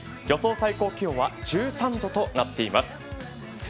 予想最高気温は１３度となっています。